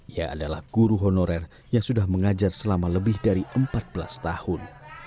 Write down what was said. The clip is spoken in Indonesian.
ia adalah guru honorer yang sudah mengajar selama lebih dari empat belas tahun